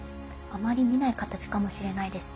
あまり見ない形かもしれないです。